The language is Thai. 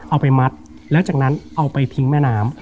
เอาไปมัดแล้วจากนั้นเอาไปทิ้งแม่น้ำ